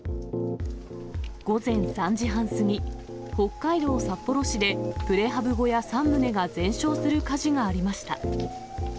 午前３時半過ぎ、北海道札幌市で、プレハブ小屋３棟が全焼する火事がありました。